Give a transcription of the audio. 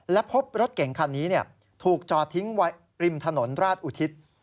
และพบรถเก่งคันนี้ถูกจอดทิ้งไว้ริมถนนราชอุทิศ